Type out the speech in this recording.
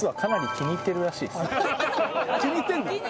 気に入ってるの？